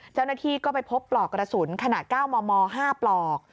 เจ้าหน้าที่ก็ไปพบปลอกกระสุนขนาด๙มม๕ปลอก